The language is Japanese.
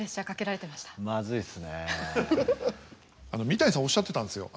三谷さんおっしゃってたんですよ。